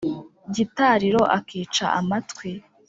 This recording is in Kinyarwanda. gitariro akica amatwi.